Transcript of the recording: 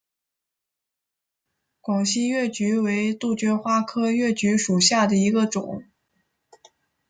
广西越桔为杜鹃花科越桔属下的一个种。